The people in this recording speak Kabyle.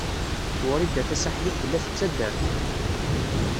Wrida Tasaḥlit tella tettader-d.